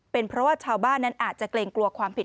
เป็นเพราะว่าชาวบ้านนั้นอาจจะเกรงกลัวความผิด